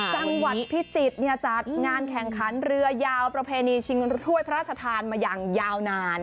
จังหวัดพิจิตรจัดงานแข่งขันเรือยาวประเพณีชิงถ้วยพระราชทานมาอย่างยาวนาน